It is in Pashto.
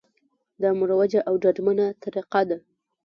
دا مروجه او ډاډمنه طریقه ده